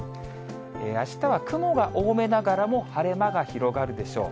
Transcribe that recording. あしたは雲が多めながらも、晴れ間が広がるでしょう。